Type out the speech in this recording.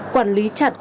quản lý chặt